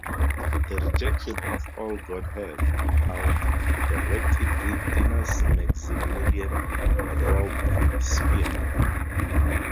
This rejection of all godhead appalled the rectitudinous Maximilien Robespierre.